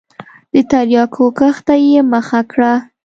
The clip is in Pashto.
د تریاکو کښت ته یې مخه کړه.